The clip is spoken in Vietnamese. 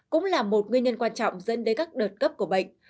cũng là một nguyên nhân quan trọng dẫn đến các đợt cấp của bệnh